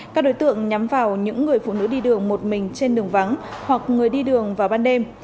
các đối tượng nhắm vào những người phụ nữ đi đường một mình trên đường vắng hoặc người đi đường vào ban đêm